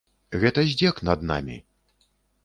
Гэта здзек над намі.